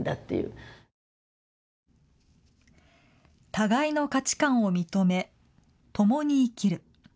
互いの価値観を認め共に生きる。